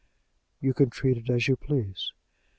"You can treat it as you please."